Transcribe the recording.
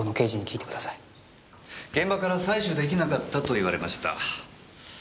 現場から採取出来なかったと言われました。